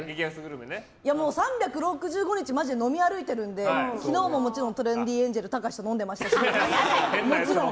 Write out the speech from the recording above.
３６５日マジで飲み歩いてるので昨日ももちろんトレンディーエンジェルのたかしと飲んでましたし。